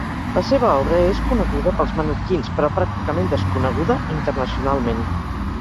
La seva obra és coneguda pels menorquins, però pràcticament desconeguda internacionalment.